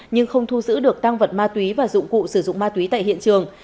nhưng không thu giữ được tăng vật ma túy và dụng cụ sử dụng ma túy tại hiện trường